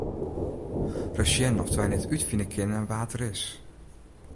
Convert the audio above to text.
Ris sjen oft wy net útfine kinne wa't er is.